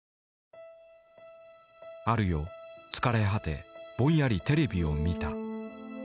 ある夜疲れ果てぼんやりテレビを見た。